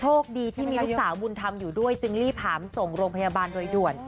โชคดีที่มีลูกสาวบุญธรรมอยู่ด้วยจึงรีบหามส่งโรงพยาบาลโดยด่วน